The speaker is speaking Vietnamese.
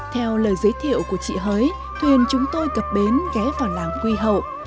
theo lời giới thiệu của chị hới thuyền chúng tôi cập bến ghé vào làng quy hầu